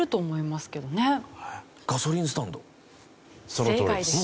そのとおりです。